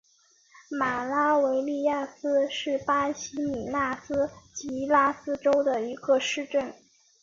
马拉维利亚斯是巴西米纳斯吉拉斯州的一个市镇。